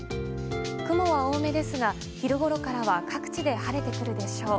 雲は多めですが、昼ごろからは各地で晴れてくるでしょう。